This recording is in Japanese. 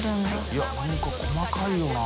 い何か細かいよな。